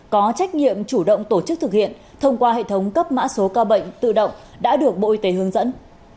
có trách nhiệm chủ động tổ chức thực hiện thông qua hệ thống cấp mã số ca bệnh tự động đã được bộ y tế hướng dẫn